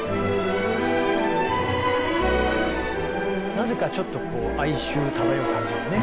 なぜかちょっと哀愁漂う感じがね